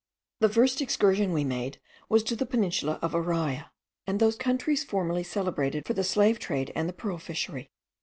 The first excursion we made was to the peninsula of Araya, and those countries formerly celebrated for the slave trade and the pearl fishery.